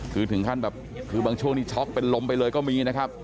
คือถึงขั้นแบบคือบางช่วงนี้ช็อกเป็นลมไปเลยก็มีนะครับ